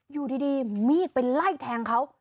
อยู่ดีมีดไปไล่แทงเขา